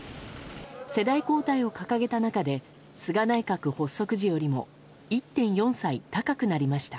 世代交代を掲げた中で菅内閣発足時よりも１．４歳高くなりました。